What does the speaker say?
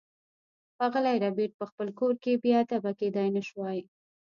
ښاغلی ربیټ په خپل کور کې بې ادبه کیدای نشوای